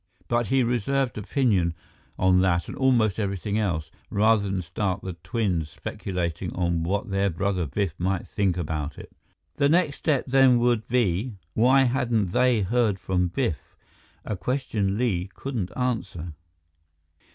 But he reserved opinion on that and almost everything else, rather than start the twins speculating on what their brother Biff might think about it. The next step then would be why hadn't they heard from Biff, a question Li couldn't answer.